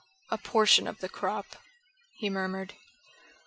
"A portion of the crop," he murmured.